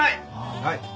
はい！